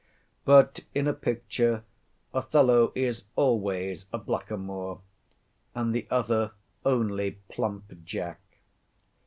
But in a picture Othello is always a Blackamoor; and the other only Plump Jack.